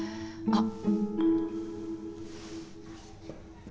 あっ。